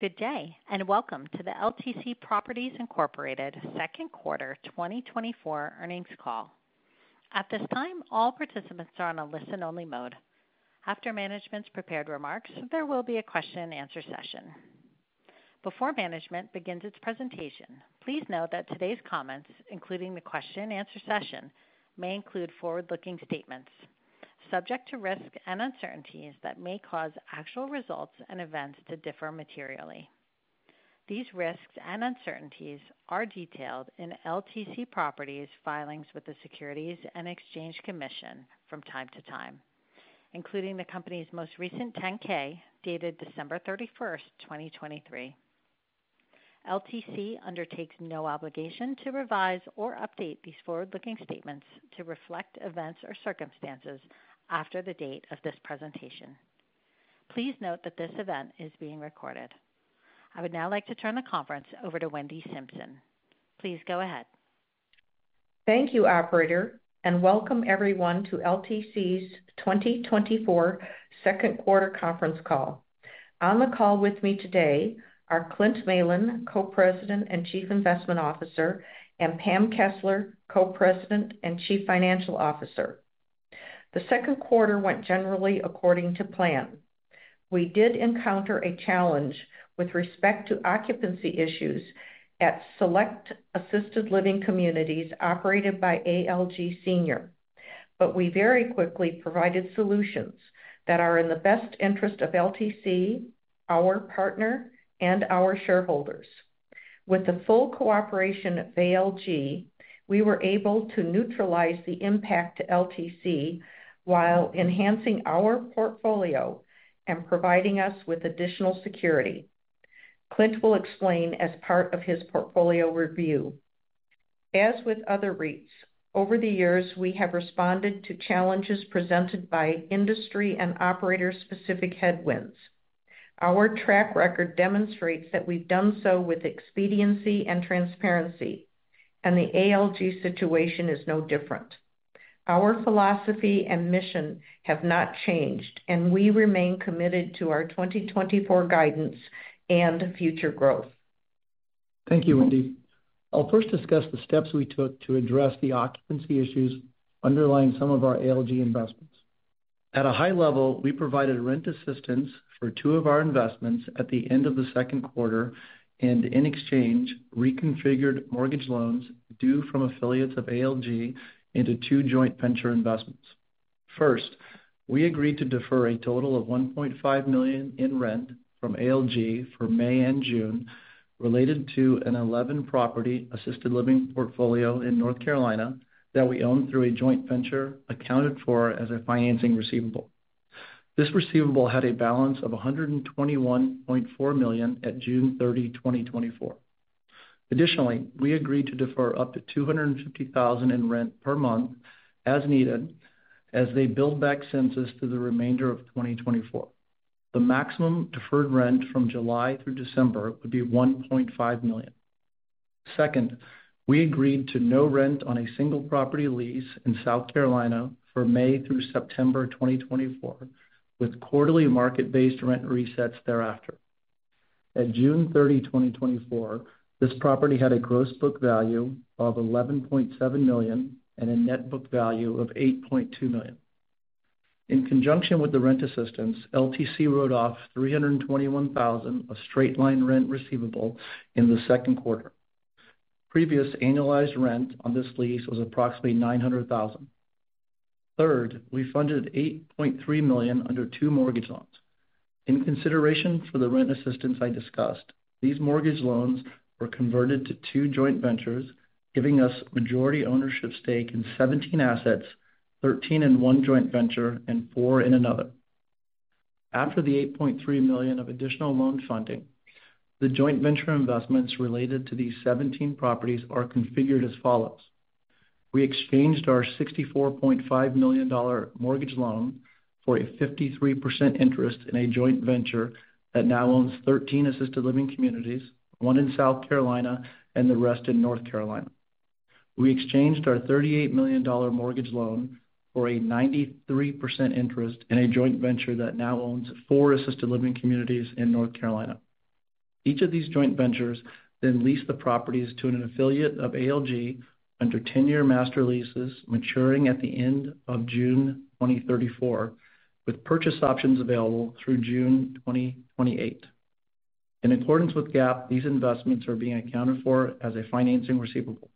Good day and welcome to the LTC Properties Incorporated Q2 2024 earnings call. At this time, all participants are on a listen-only mode. After management's prepared remarks, there will be a question-and-answer session. Before management begins its presentation, please note that today's comments, including the question-and-answer session, may include forward-looking statements subject to risks and uncertainties that may cause actual results and events to differ materially. These risks and uncertainties are detailed in LTC Properties filings with the Securities and Exchange Commission from time to time, including the company's most recent 10-K dated December 31st, 2023. LTC undertakes no obligation to revise or update these forward-looking statements to reflect events or circumstances after the date of this presentation. Please note that this event is being recorded. I would now like to turn the conference over to Wendy Simpson. Please go ahead. Thank you, Operator, and welcome everyone to LTC's 2024 Q2 conference call. On the call with me today are Clint Malin, Co-President and Chief Investment Officer, and Pam Kessler, Co-President and Chief Financial Officer. The Q2 went generally according to plan. We did encounter a challenge with respect to occupancy issues at select assisted living communities operated by ALG Senior, but we very quickly provided solutions that are in the best interest of LTC, our partner, and our shareholders. With the full cooperation of ALG, we were able to neutralize the impact to LTC while enhancing our portfolio and providing us with additional security. Clint will explain as part of his portfolio review. As with other REITs, over the years, we have responded to challenges presented by industry and operator-specific headwinds. Our track record demonstrates that we've done so with expediency and transparency, and the ALG situation is no different. Our philosophy and mission have not changed, and we remain committed to our 2024 guidance and future growth. Thank you, Wendy. I'll first discuss the steps we took to address the occupancy issues underlying some of our ALG investments. At a high level, we provided rent assistance for two of our investments at the end of the Q2, and in exchange, reconfigured mortgage loans due from affiliates of ALG into two joint venture investments. First, we agreed to defer a total of $1.5 million in rent from ALG for May and June related to an 11-property assisted living portfolio in North Carolina that we owned through a joint venture accounted for as a financing receivable. This receivable had a balance of $121.4 million at June 30, 2024. Additionally, we agreed to defer up to $250,000 in rent per month as needed as they build back census to the remainder of 2024. The maximum deferred rent from July through December would be $1.5 million. Second, we agreed to no rent on a single property lease in South Carolina for May through September 2024, with quarterly market-based rent resets thereafter. At June 30, 2024, this property had a gross book value of $11.7 million and a net book value of $8.2 million. In conjunction with the rent assistance, LTC wrote off $321,000 of straight-line rent receivable in the Q2. Previous annualized rent on this lease was approximately $900,000. Third, we funded $8.3 million under two mortgage loans. In consideration for the rent assistance I discussed, these mortgage loans were converted to two joint ventures, giving us majority ownership stake in 17 assets, 13 in one joint venture, and 4 in another. After the $8.3 million of additional loan funding, the joint venture investments related to these 17 properties are configured as follows. We exchanged our $64.5 million mortgage loan for a 53% interest in a joint venture that now owns 13 assisted living communities, one in South Carolina and the rest in North Carolina. We exchanged our $38 million mortgage loan for a 93% interest in a joint venture that now owns four assisted living communities in North Carolina. Each of these joint ventures then leased the properties to an affiliate of ALG under 10-year master leases maturing at the end of June 2034, with purchase options available through June 2028. In accordance with GAAP, these investments are being accounted for as a financing receivable.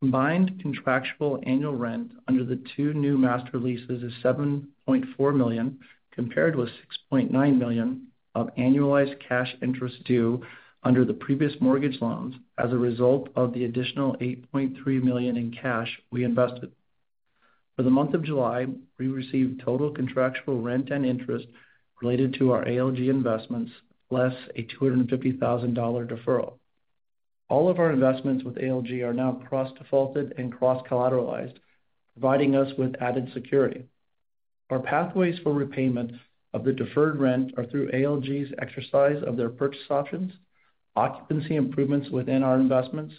Combined contractual annual rent under the two new master leases is $7.4 million, compared with $6.9 million of annualized cash interest due under the previous mortgage loans as a result of the additional $8.3 million in cash we invested. For the month of July, we received total contractual rent and interest related to our ALG investments less a $250,000 deferral. All of our investments with ALG are now cross-defaulted and cross-collateralized, providing us with added security. Our pathways for repayment of the deferred rent are through ALG's exercise of their purchase options, occupancy improvements within our investments,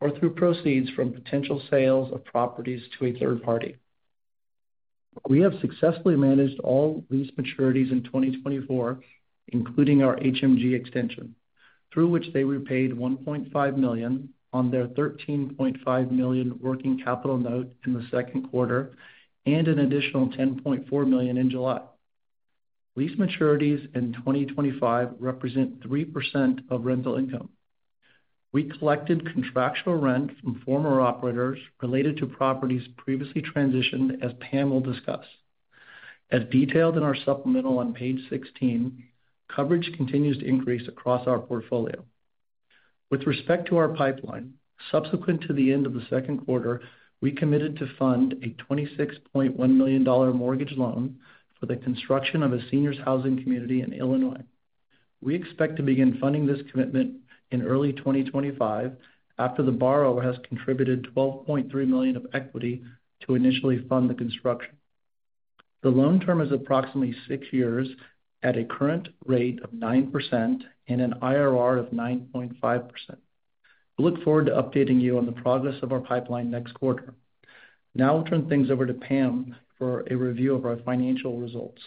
or through proceeds from potential sales of properties to a third party. We have successfully managed all lease maturities in 2024, including our HMG extension, through which they repaid $1.5 million on their $13.5 million working capital note in the Q2 and an additional $10.4 million in July. Lease maturities in 2025 represent 3% of rental income. We collected contractual rent from former operators related to properties previously transitioned, as Pam will discuss. As detailed in our supplemental on page 16, coverage continues to increase across our portfolio. With respect to our pipeline, subsequent to the end of the Q2, we committed to fund a $26.1 million mortgage loan for the construction of a seniors' housing community in Illinois. We expect to begin funding this commitment in early 2025 after the borrower has contributed $12.3 million of equity to initially fund the construction. The loan term is approximately six years at a current rate of 9% and an IRR of 9.5%. We look forward to updating you on the progress of our pipeline next quarter. Now I'll turn things over to Pam for a review of our financial results.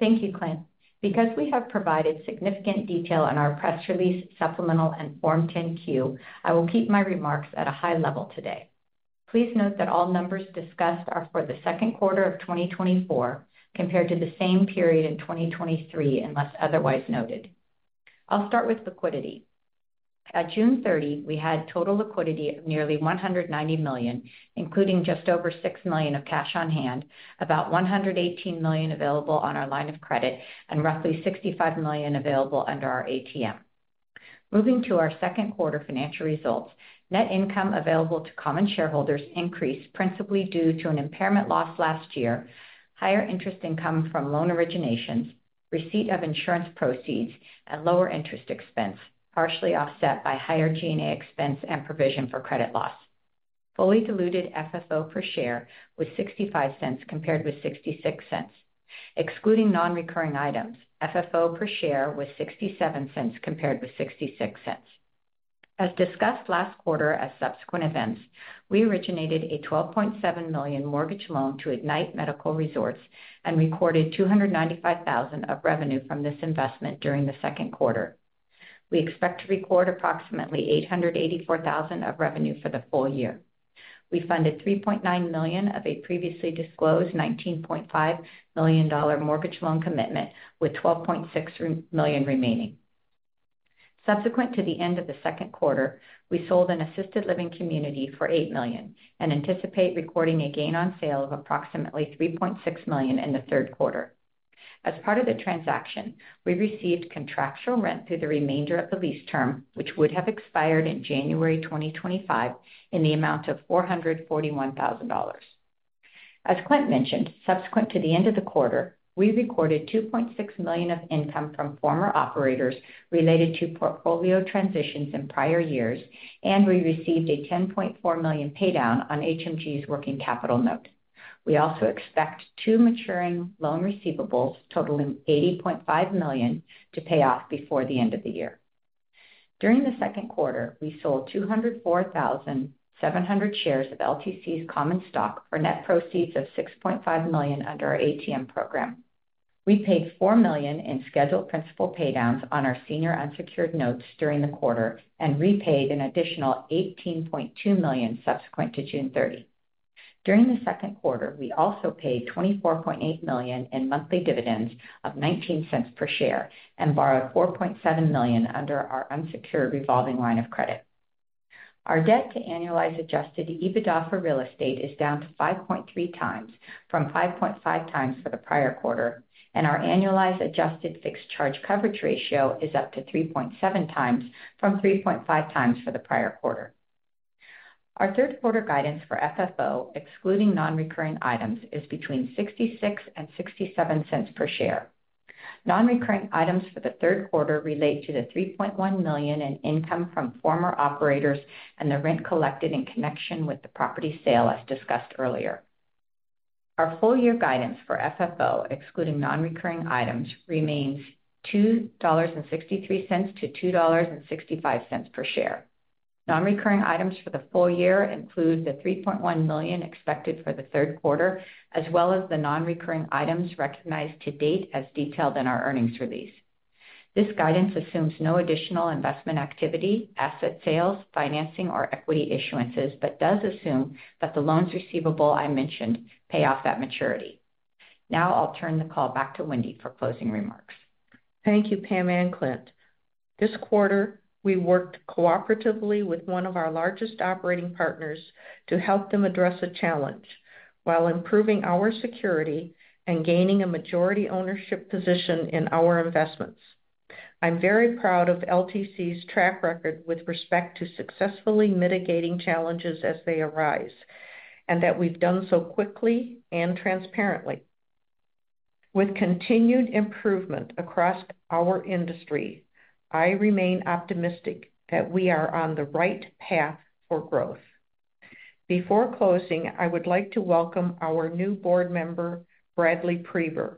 Thank you, Clint. Because we have provided significant detail on our press release, supplemental, and Form 10-Q, I will keep my remarks at a high level today. Please note that all numbers discussed are for the Q2 of 2024 compared to the same period in 2023 unless otherwise noted. I'll start with liquidity. At June 30, we had total liquidity of nearly $190 million, including just over $6 million of cash on hand, about $118 million available on our line of credit, and roughly $65 million available under our ATM. Moving to our Q2 financial results, net income available to common shareholders increased principally due to an impairment loss last year, higher interest income from loan originations, receipt of insurance proceeds, and lower interest expense, partially offset by higher G&A expense and provision for credit loss. Fully diluted FFO per share was $0.65 compared with $0.66. Excluding non-recurring items, FFO per share was $0.67 compared with $0.66. As discussed last quarter as subsequent events, we originated a $12.7 million mortgage loan to Ignite Medical Resorts and recorded $295,000 of revenue from this investment during the Q2. We expect to record approximately $884,000 of revenue for the full year. We funded $3.9 million of a previously disclosed $19.5 million mortgage loan commitment, with $12.6 million remaining. Subsequent to the end of the Q2, we sold an assisted living community for $8 million and anticipate recording a gain on sale of approximately $3.6 million in the Q3. As part of the transaction, we received contractual rent through the remainder of the lease term, which would have expired in January 2025, in the amount of $441,000. As Clint mentioned, subsequent to the end of the quarter, we recorded $2.6 million of income from former operators related to portfolio transitions in prior years, and we received a $10.4 million paydown on HMG's working capital note. We also expect two maturing loan receivables totaling $80.5 million to pay off before the end of the year. During the Q2, we sold 204,700 shares of LTC's common stock for net proceeds of $6.5 million under our ATM program. We paid $4 million in scheduled principal paydowns on our senior unsecured notes during the quarter and repaid an additional $18.2 million subsequent to June 30. During the Q2, we also paid $24.8 million in monthly dividends of $0.19 per share and borrowed $4.7 million under our unsecured revolving line of credit. Our debt to annualized Adjusted EBITDA for real estate is down to 5.3x from 5.5x for the prior quarter, and our annualized adjusted fixed charge coverage ratio is up to 3.7x from 3.5x for the prior quarter. Our Q3 guidance for FFO, excluding non-recurring items, is between $0.66 and $0.67 per share. Non-recurring items for the Q3 relate to the $3.1 million in income from former operators and the rent collected in connection with the property sale, as discussed earlier. Our full-year guidance for FFO, excluding non-recurring items, remains $2.63-$2.65 per share. Non-recurring items for the full year include the $3.1 million expected for the Q3, as well as the non-recurring items recognized to date as detailed in our earnings release. This guidance assumes no additional investment activity, asset sales, financing, or equity issuances, but does assume that the loans receivable I mentioned pay off at maturity. Now I'll turn the call back to Wendy for closing remarks. Thank you, Pamela and Clint. This quarter, we worked cooperatively with one of our largest operating partners to help them address a challenge while improving our security and gaining a majority ownership position in our investments. I'm very proud of LTC's track record with respect to successfully mitigating challenges as they arise and that we've done so quickly and transparently. With continued improvement across our industry, I remain optimistic that we are on the right path for growth. Before closing, I would like to welcome our new board member, Bradley Preber.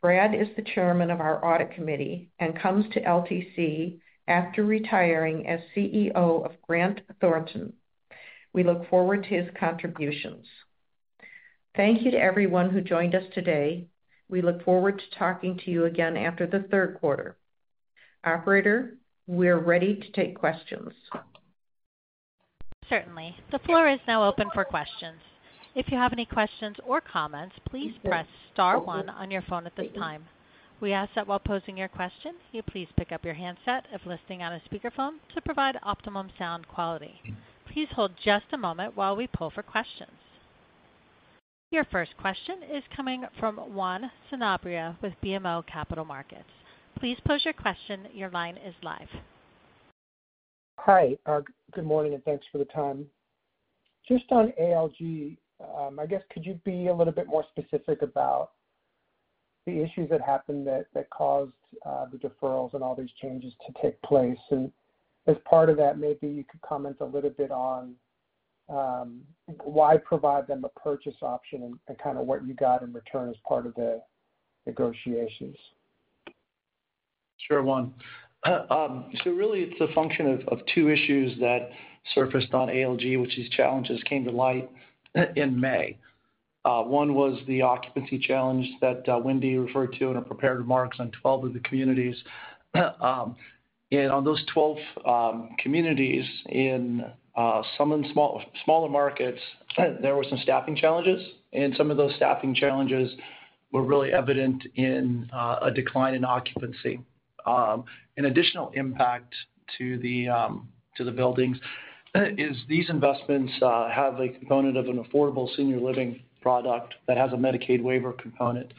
Brad is the chairman of our audit committee and comes to LTC after retiring as CEO of Grant Thornton. We look forward to his contributions. Thank you to everyone who joined us today. We look forward to talking to you again after the Q3. Operator, we're ready to take questions. Certainly. The floor is now open for questions. If you have any questions or comments, please press star one on your phone at this time. We ask that while posing your question, you please pick up your handset if listening on a speakerphone to provide optimum sound quality. Please hold just a moment while we poll for questions. Your first question is coming from Juan Sanabria with BMO Capital Markets. Please pose your question. Your line is live. Hi. Good morning and thanks for the time. Just on ALG, I guess, could you be a little bit more specific about the issues that happened that caused the deferrals and all these changes to take place? And as part of that, maybe you could comment a little bit on why provide them a purchase option and kind of what you got in return as part of the negotiations? Sure, Juan. So really, it's a function of two issues that surfaced on ALG, which these challenges came to light in May. One was the occupancy challenge that Wendy referred to in her prepared remarks on 12 of the communities. And on those 12 communities in some of the smaller markets, there were some staffing challenges, and some of those staffing challenges were really evident in a decline in occupancy. An additional impact to the buildings is these investments have a component of an affordable senior living product that has a Medicaid waiver component.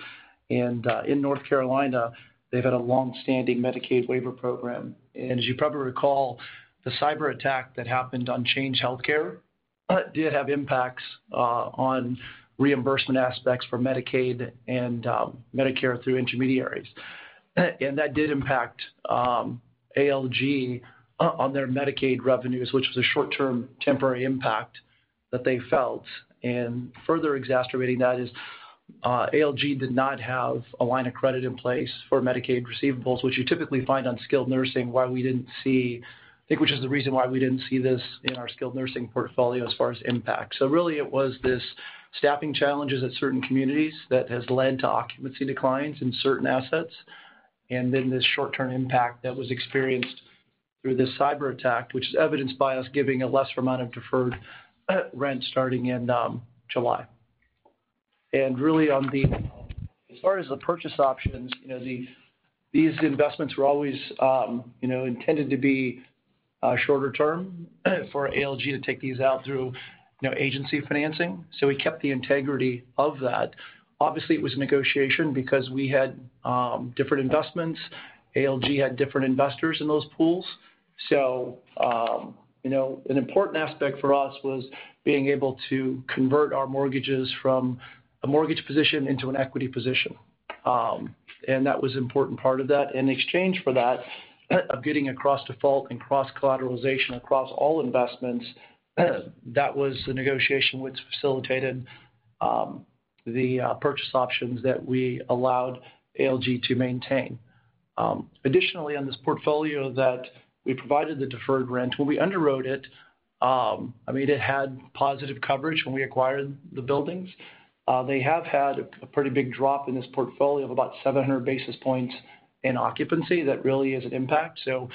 And in North Carolina, they've had a longstanding Medicaid waiver program. And as you probably recall, the cyber attack that happened on Change Healthcare did have impacts on reimbursement aspects for Medicaid and Medicare through intermediaries. And that did impact ALG on their Medicaid revenues, which was a short-term temporary impact that they felt. And further exacerbating that is ALG did not have a line of credit in place for Medicaid receivables, which you typically find on skilled nursing. Why we didn't see, I think, which is the reason why we didn't see this in our skilled nursing portfolio as far as impact. So really, it was these staffing challenges at certain communities that have led to occupancy declines in certain assets, and then this short-term impact that was experienced through this cyber attack, which is evidenced by us giving a lesser amount of deferred rent starting in July. And really, as far as the purchase options, these investments were always intended to be shorter-term for ALG to take these out through agency financing. So we kept the integrity of that. Obviously, it was a negotiation because we had different investments. ALG had different investors in those pools. So an important aspect for us was being able to convert our mortgages from a mortgage position into an equity position. And that was an important part of that. And in exchange for that, of getting a cross-default and cross-collateralization across all investments, that was the negotiation which facilitated the purchase options that we allowed ALG to maintain. Additionally, on this portfolio that we provided the deferred rent, when we underwrote it, I mean, it had positive coverage when we acquired the buildings. They have had a pretty big drop in this portfolio of about 700 basis points in occupancy that really is an impact. So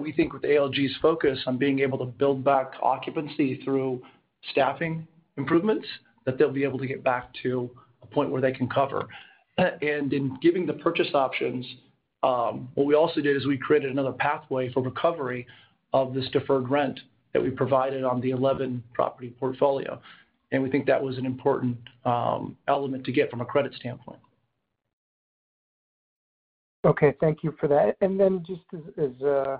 we think with ALG's focus on being able to build back occupancy through staffing improvements, that they'll be able to get back to a point where they can cover. In giving the purchase options, what we also did is we created another pathway for recovery of this deferred rent that we provided on the 11-property portfolio. We think that was an important element to get from a credit standpoint. Okay. Thank you for that. And then just so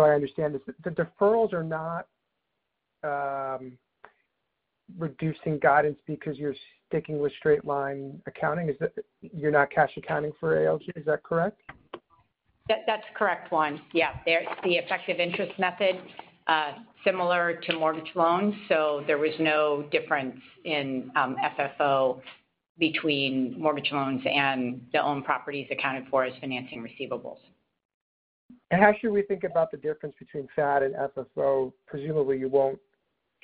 I understand, the deferrals are not reducing guidance because you're sticking with straight-line accounting. You're not cash accounting for ALG. Is that correct? That's correct, Juan. Yeah. The effective interest method, similar to mortgage loans. So there was no difference in FFO between mortgage loans and the owned properties accounted for as financing receivables. How should we think about the difference between FAD and FFO? Presumably, you won't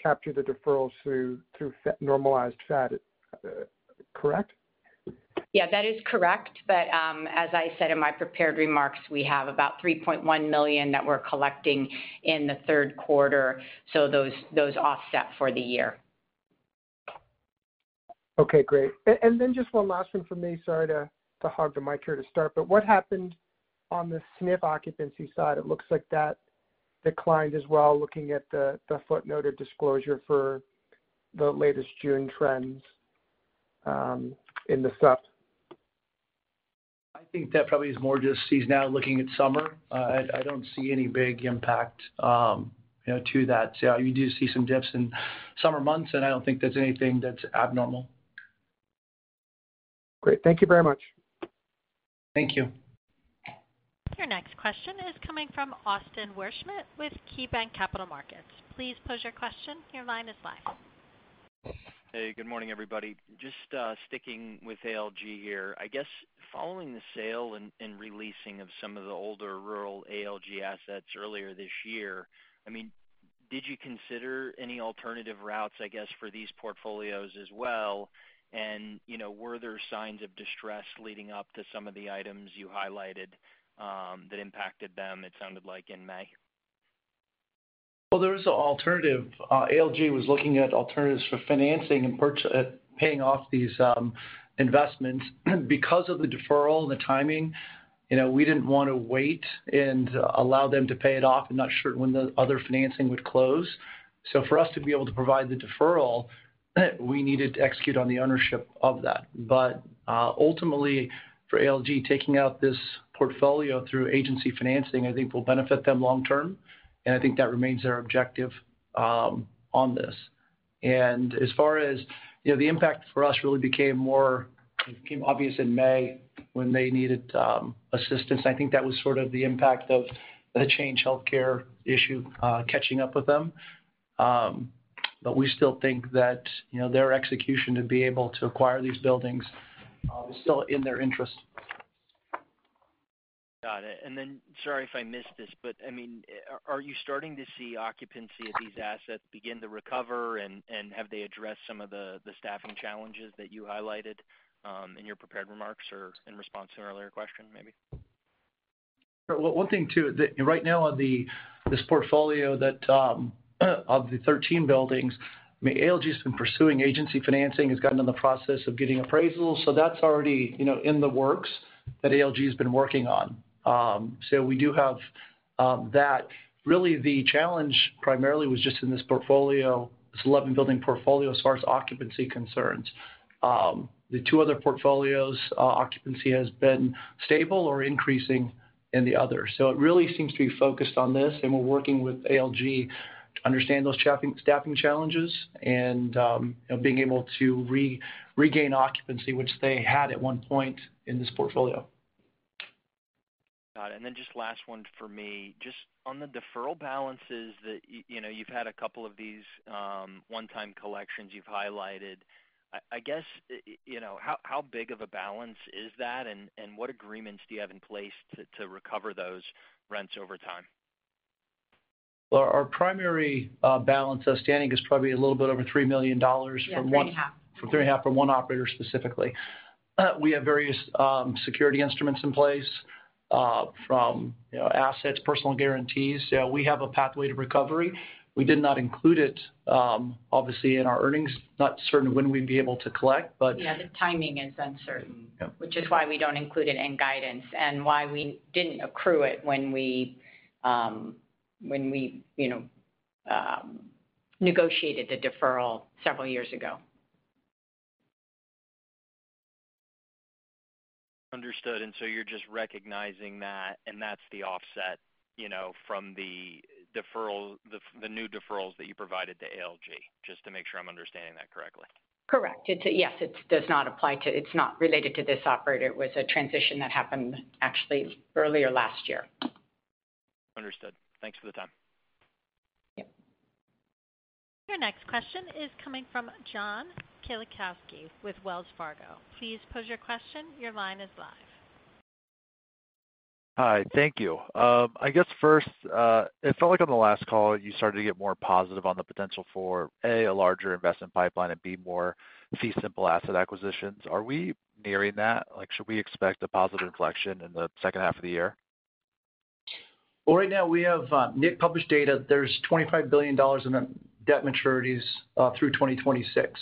capture the deferrals through normalized FAD, correct? Yeah, that is correct. But as I said in my prepared remarks, we have about $3.1 million that we're collecting in the Q3. So those offset for the year. Okay. Great. And then just one last one for me. Sorry to hog the mic here to start. But what happened on the SNF occupancy side? It looks like that declined as well, looking at the footnoted disclosure for the latest June trends in the SNF. I think that probably is more just he's now looking at summer. I don't see any big impact to that. So you do see some dips in summer months, and I don't think that's anything that's abnormal. Great. Thank you very much. Thank you. Your next question is coming from Austin Wurschmidt with KeyBank Capital Markets. Please pose your question. Your line is live. Hey, good morning, everybody. Just sticking with ALG here. I guess following the sale and releasing of some of the older rural ALG assets earlier this year, I mean, did you consider any alternative routes, I guess, for these portfolios as well? And were there signs of distress leading up to some of the items you highlighted that impacted them, it sounded like, in May? Well, there is an alternative. ALG was looking at alternatives for financing and paying off these investments. Because of the deferral and the timing, we didn't want to wait and allow them to pay it off and not sure when the other financing would close. So for us to be able to provide the deferral, we needed to execute on the ownership of that. But ultimately, for ALG taking out this portfolio through agency financing, I think will benefit them long-term. And I think that remains their objective on this. And as far as the impact for us really became more obvious in May when they needed assistance. I think that was sort of the impact of the Change Healthcare issue catching up with them. But we still think that their execution to be able to acquire these buildings is still in their interest. Got it. And then sorry if I missed this, but I mean, are you starting to see occupancy of these assets begin to recover? And have they addressed some of the staffing challenges that you highlighted in your prepared remarks or in response to an earlier question, maybe? Well, one thing too. Right now, on this portfolio of the 13 buildings, ALG has been pursuing agency financing, has gotten in the process of getting appraisals. So that's already in the works that ALG has been working on. So we do have that. Really, the challenge primarily was just in this portfolio, this 11-building portfolio as far as occupancy concerns. The two other portfolios, occupancy has been stable or increasing in the other. So it really seems to be focused on this. And we're working with ALG to understand those staffing challenges and being able to regain occupancy, which they had at one point in this portfolio. Got it. And then just last one for me. Just on the deferral balances that you've had a couple of these one-time collections you've highlighted, I guess, how big of a balance is that? And what agreements do you have in place to recover those rents over time? Well, our primary balance outstanding is probably a little bit over $3 million. Yes, 3.5. 3.5 from one operator specifically. We have various security instruments in place from assets, personal guarantees. So we have a pathway to recovery. We did not include it, obviously, in our earnings. Not certain when we'd be able to collect, but. Yeah, the timing is uncertain, which is why we don't include it in guidance and why we didn't accrue it when we negotiated the deferral several years ago. Understood. And so you're just recognizing that, and that's the offset from the new deferrals that you provided to ALG, just to make sure I'm understanding that correctly. Correct. Yes, it does not apply to it. It's not related to this operator. It was a transition that happened actually earlier last year. Understood. Thanks for the time. Your next question is coming from John Kilichowski with Wells Fargo. Please pose your question. Your line is live. Hi. Thank you. I guess first, it felt like on the last call, you started to get more positive on the potential for, A, a larger investment pipeline, and, B, more fee-simple asset acquisitions. Are we nearing that? Should we expect a positive inflection in the H2 of the year? Well, right now, we have public data. There's $25 billion in debt maturities through 2026.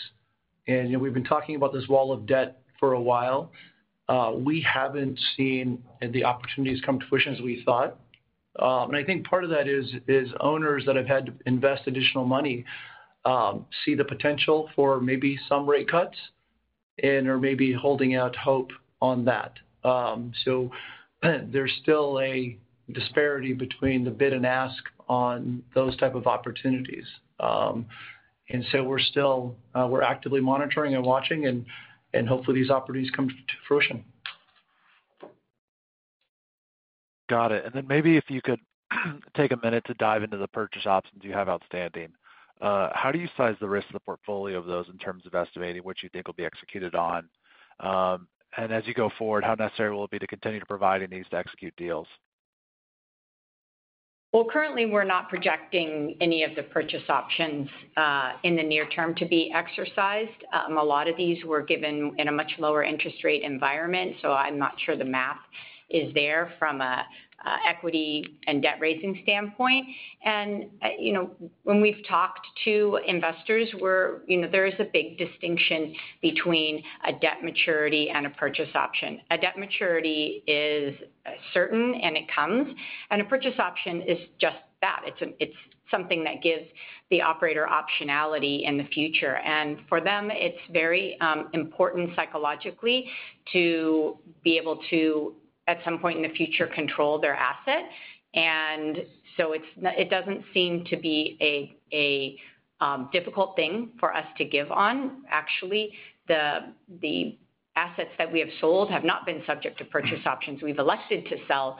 We've been talking about this wall of debt for a while. We haven't seen the opportunities come to fruition as we thought. I think part of that is owners that have had to invest additional money see the potential for maybe some rate cuts and are maybe holding out hope on that. There's still a disparity between the bid and ask on those type of opportunities. We're actively monitoring and watching, and hopefully, these opportunities come to fruition. Got it. Then maybe if you could take a minute to dive into the purchase options you have outstanding, how do you size the rest of the portfolio of those in terms of estimating what you think will be executed on? As you go forward, how necessary will it be to continue to provide and needs to execute deals? Well, currently, we're not projecting any of the purchase options in the near term to be exercised. A lot of these were given in a much lower interest rate environment. So I'm not sure the math is there from an equity and debt-raising standpoint. And when we've talked to investors, there is a big distinction between a debt maturity and a purchase option. A debt maturity is certain, and it comes. And a purchase option is just that. It's something that gives the operator optionality in the future. And for them, it's very important psychologically to be able to, at some point in the future, control their asset. And so it doesn't seem to be a difficult thing for us to give on. Actually, the assets that we have sold have not been subject to purchase options. We've elected to sell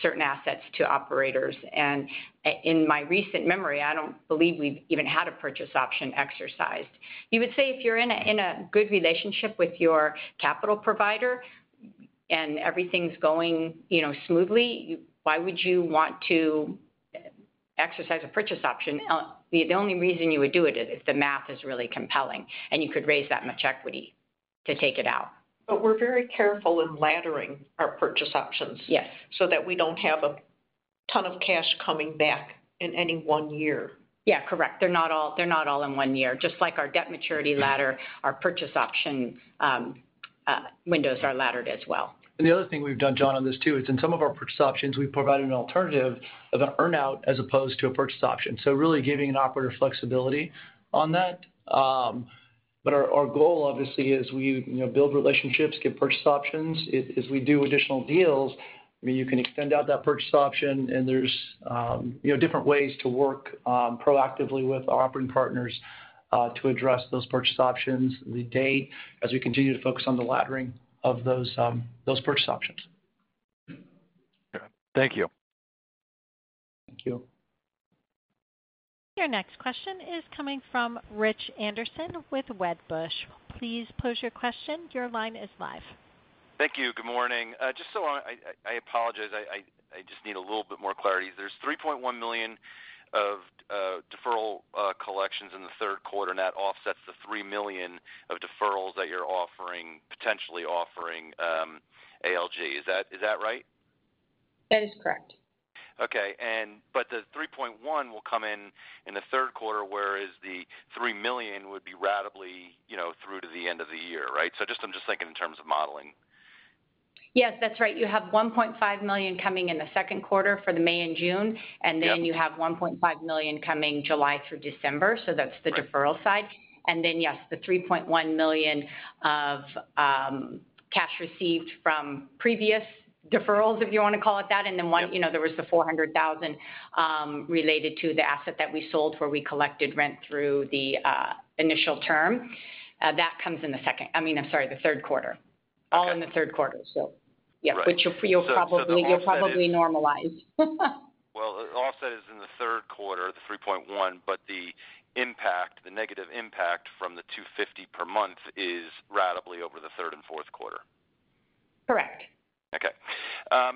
certain assets to operators. In my recent memory, I don't believe we've even had a purchase option exercised. You would say if you're in a good relationship with your capital provider and everything's going smoothly, why would you want to exercise a purchase option? The only reason you would do it is if the math is really compelling and you could raise that much equity to take it out. But we're very careful in laddering our purchase options so that we don't have a ton of cash coming back in any one year. Yeah, correct. They're not all in one year. Just like our debt maturity ladder, our purchase option windows are laddered as well. And the other thing we've done, John, on this too, is in some of our purchase options, we've provided an alternative of an earnout as opposed to a purchase option. So really giving an operator flexibility on that. But our goal, obviously, is we build relationships, get purchase options. As we do additional deals, you can extend out that purchase option. And there's different ways to work proactively with our operating partners to address those purchase options, the date, as we continue to focus on the laddering of those purchase options. Thank you. Thank you. Your next question is coming from Rich Anderson with Wedbush. Please pose your question. Your line is live. Thank you. Good morning. Just so I apologize, I just need a little bit more clarity. There's $3.1 million of deferral collections in the Q3. That offsets the $3 million of deferrals that you're potentially offering ALG. Is that right? That is correct. Okay. But the $3.1 million will come in in the Q3, whereas the $3 million would be ratably through to the end of the year, right? So I'm just thinking in terms of modeling. Yes, that's right. You have $1.5 million coming in the Q2 for the May and June. And then you have $1.5 million coming July through December. So that's the deferral side. And then, yes, the $3.1 million of cash received from previous deferrals, if you want to call it that. And then there was the $400,000 related to the asset that we sold where we collected rent through the initial term. That comes in the second I mean, I'm sorry, the Q3. All in the Q3. So yeah, which you'll probably normalize. Well, the offset is in the Q3, the $3.1 million. But the negative impact from the $250,000 per month is radically over the third and Q4. Correct. Okay.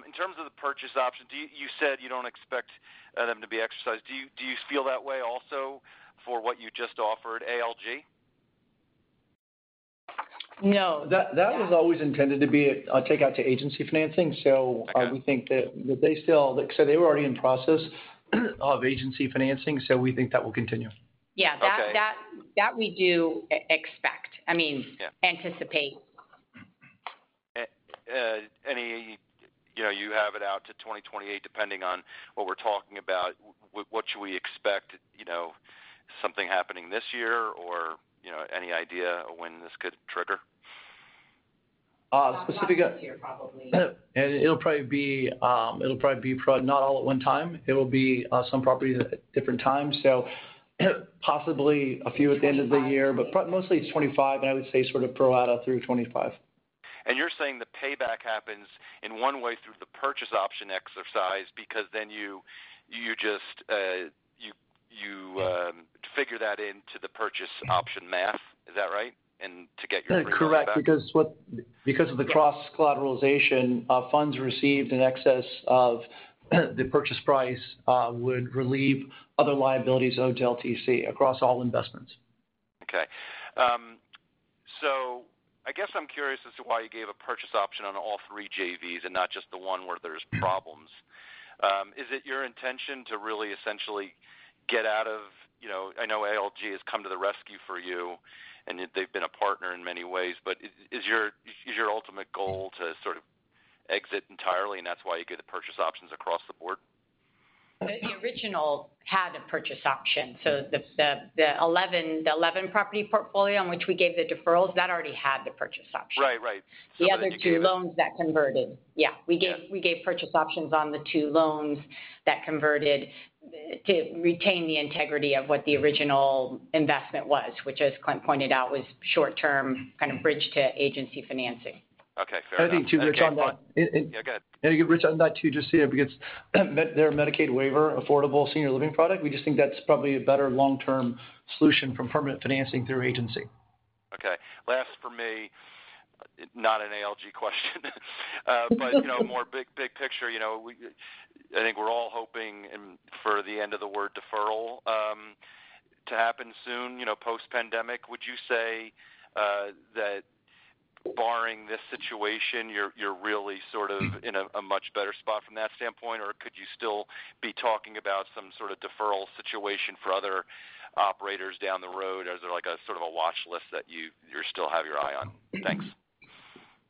In terms of the purchase option, you said you don't expect them to be exercised. Do you feel that way also for what you just offered, ALG? No. That was always intended to be a takeout to agency financing. So we think that they were already in process of agency financing. So we think that will continue. Yeah, that we do expect. I mean, anticipate. You have it out to 2028, depending on what we're talking about. What should we expect? Something happening this year or any idea of when this could trigger? Probably next year, probably. It'll probably be not all at one time. It'll be some properties at different times. So possibly a few at the end of the year. But mostly, it's 2025, and I would say sort of pro rata through 2025. And you're saying the payback happens in one way through the purchase option exercise because then you just figure that into the purchase option math. Is that right? And to get your. Correct. Because of the cross-collateralization, funds received in excess of the purchase price would relieve other liabilities owed to LTC across all investments. Okay. So I guess I'm curious as to why you gave a purchase option on all three JVs and not just the one where there's problems. Is it your intention to really essentially get out of? I know ALG has come to the rescue for you, and they've been a partner in many ways. But is your ultimate goal to sort of exit entirely, and that's why you gave the purchase options across the board? The original had a purchase option. So the 11-property portfolio in which we gave the deferrals, that already had the purchase option. Right, right. The other 2 loans that converted. Yeah. We gave purchase options on the 2 loans that converted to retain the integrity of what the original investment was, which, as Clint pointed out, was short-term kind of bridge to agency financing. Okay. Fair enough. I think Rich on that. Yeah, go ahead. I think to Rich on that too, just to say, because their Medicaid waiver affordable senior living product, we just think that's probably a better long-term solution from permanent financing through agency. Okay. Last for me, not an ALG question, but more big picture. I think we're all hoping for the end of the rent deferral to happen soon, post-pandemic. Would you say that barring this situation, you're really sort of in a much better spot from that standpoint? Or could you still be talking about some sort of deferral situation for other operators down the road as sort of a watch list that you still have your eye on? Thanks.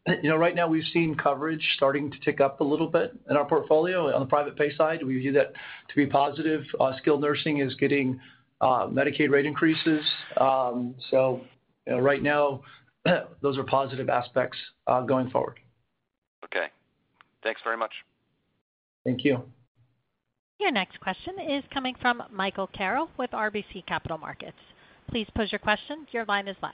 Right now, we've seen coverage starting to tick up a little bit in our portfolio on the private pay side. We view that to be positive. Skilled nursing is getting Medicaid rate increases. So right now, those are positive aspects going forward. Okay. Thanks very much. Thank you. Your next question is coming from Michael Carroll with RBC Capital Markets. Please pose your question. Your line is live.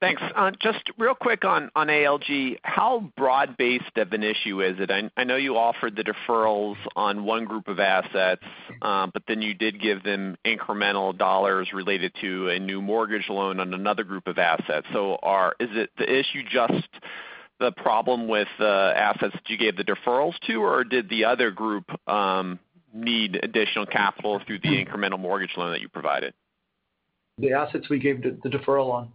Yep. Thanks. Just real quick on ALG, how broad-based of an issue is it? I know you offered the deferrals on one group of assets, but then you did give them incremental dollars related to a new mortgage loan on another group of assets. So is the issue just the problem with the assets that you gave the deferrals to, or did the other group need additional capital through the incremental mortgage loan that you provided? The assets we gave the deferral on.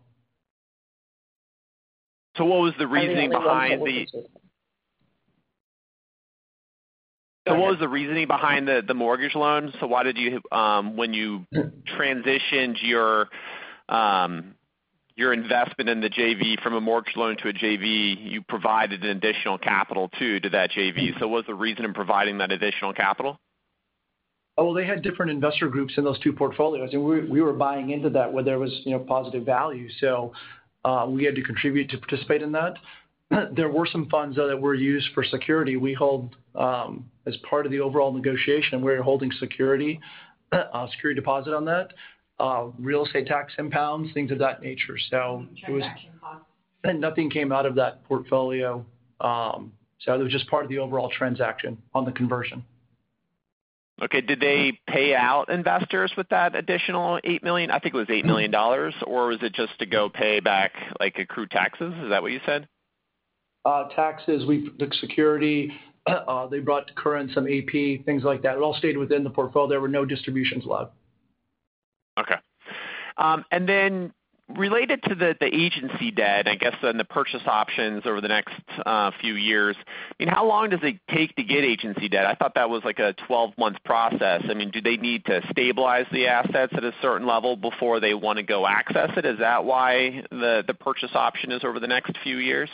So what was the reasoning behind the? The mortgage loans. So what was the reasoning behind the mortgage loans? So why did you - when you transitioned your investment in the JV from a mortgage loan to a JV, you provided additional capital to that JV. So what's the reason in providing that additional capital? Well, they had different investor groups in those two portfolios. We were buying into that where there was positive value. We had to contribute to participate in that. There were some funds that were used for security. We hold, as part of the overall negotiation, we're holding security, a security deposit on that, real estate tax impounds, things of that nature. Nothing came out of that portfolio. It was just part of the overall transaction on the conversion. Okay. Did they pay out investors with that additional $8 million? I think it was $8 million. Or was it just to go pay back accrued taxes? Is that what you said? Taxes, the security. They brought current some AP, things like that. It all stayed within the portfolio. There were no distributions allowed. Okay. And then related to the agency debt, I guess, and the purchase options over the next few years, how long does it take to get agency debt? I thought that was like a 12-month process. I mean, do they need to stabilize the assets at a certain level before they want to go access it? Is that why the purchase option is over the next few years?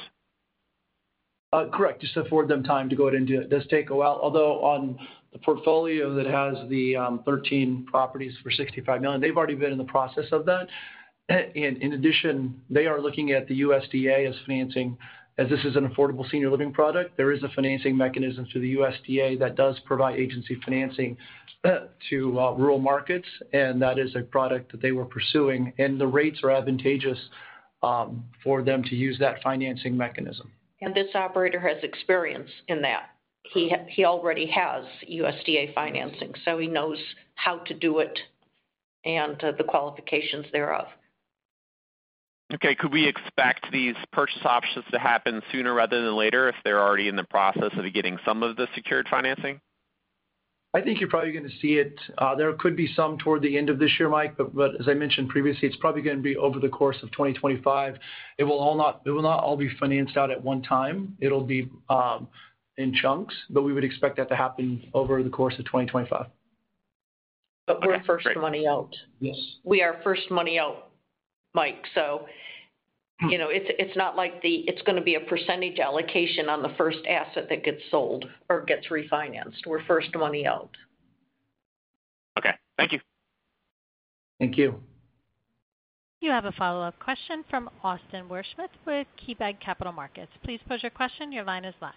Correct. Just to afford them time to go ahead and do it. It does take a while. Although on the portfolio that has the 13 properties for $65 million, they've already been in the process of that. And in addition, they are looking at the USDA as financing as this is an affordable senior living product. There is a financing mechanism through the USDA that does provide agency financing to rural markets. And that is a product that they were pursuing. And the rates are advantageous for them to use that financing mechanism. This operator has experience in that. He already has USDA financing. He knows how to do it and the qualifications thereof. Okay. Could we expect these purchase options to happen sooner rather than later if they're already in the process of getting some of the secured financing? I think you're probably going to see it. There could be some toward the end of this year, Mike. But as I mentioned previously, it's probably going to be over the course of 2025. It will not all be financed out at one time. It'll be in chunks. But we would expect that to happen over the course of 2025. But we're first money out. Yes. We are first money out, Mike. So it's not like it's going to be a percentage allocation on the first asset that gets sold or gets refinanced. We're first money out. Okay. Thank you. Thank you. You have a follow-up question from Austin Wurschmidt with KeyBanc Capital Markets. Please pose your question. Your line is live.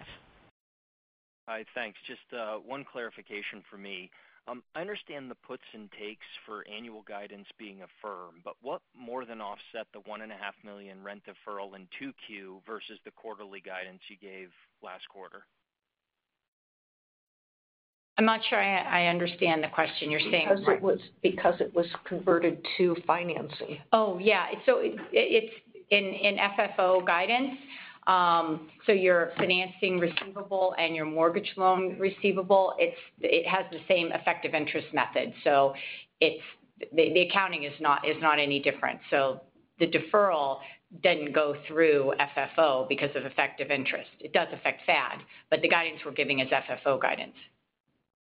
Hi. Thanks. Just one clarification for me. I understand the puts and takes for annual guidance being a firm. But what more than offset the $1.5 million rent deferral in 2Q versus the quarterly guidance you gave last quarter? I'm not sure I understand the question. You're saying. Because it was converted to financing. Oh, yeah. So it's in FFO guidance. So your financing receivable and your mortgage loan receivable, it has the same effective interest method. So the accounting is not any different. So the deferral didn't go through FFO because of effective interest. It does affect FAD. But the guidance we're giving is FFO guidance.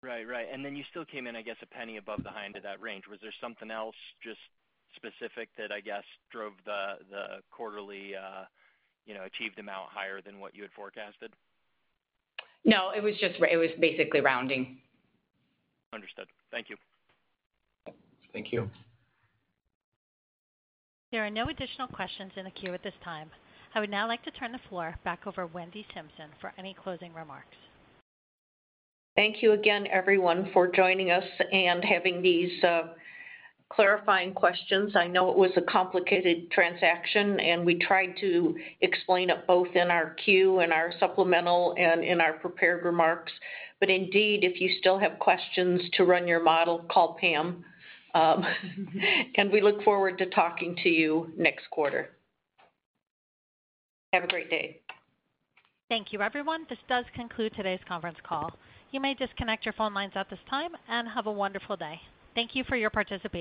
Right, right. And then you still came in, I guess, a penny above the high end of that range. Was there something else just specific that, I guess, drove the quarterly achieved amount higher than what you had forecasted? No. It was basically rounding. Understood. Thank you. Thank you. There are no additional questions in the queue at this time. I would now like to turn the floor back over to Wendy Simpson for any closing remarks. Thank you again, everyone, for joining us and having these clarifying questions. I know it was a complicated transaction. We tried to explain it both in our Q and our supplemental and in our prepared remarks. Indeed, if you still have questions to run your model, call Pam. We look forward to talking to you next quarter. Have a great day. Thank you, everyone. This does conclude today's conference call. You may disconnect your phone lines at this time and have a wonderful day. Thank you for your participation.